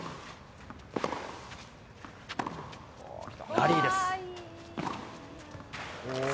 ラリーです。